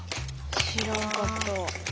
知らなかった。